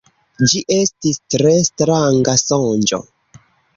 Ĝi estis tre stranga sonĝo.